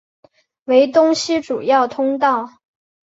为东西主要通道。